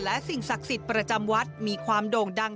และสิ่งศักดิ์สิทธิ์ประจำวัดมีความโด่งดัง